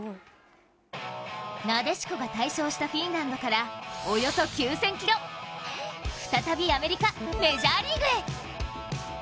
なでしこが大勝したフィンランドからおよそ９０００ｋｍ、再びアメリカ・メジャーリーグへ。